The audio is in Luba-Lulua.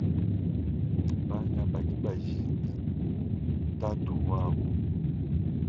Bana badi bajinga tatu wabu.